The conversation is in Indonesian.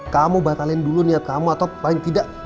kamu batalin dulu niat kamu atau paling tidak